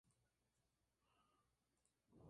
Tomó cursos de pintura y dibujo con el pintor Tirado.